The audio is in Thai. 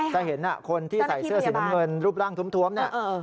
จะเห็นคนที่ใส่เสื้อสีน้ำเงินรูปร่างทวมเนี่ย